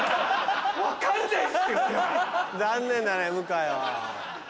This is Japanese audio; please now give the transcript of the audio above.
残念だね向井は。